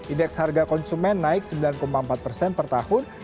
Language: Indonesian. indeks harga konsumen naik sembilan empat persen per tahun